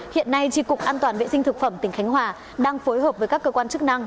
hiện nay tri cục an toàn vệ sinh thực phẩm tỉnh khánh hòa đang phối hợp với các cơ quan chức năng